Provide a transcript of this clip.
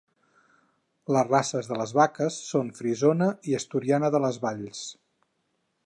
Les races de les vaques són frisona i asturiana de les Valls.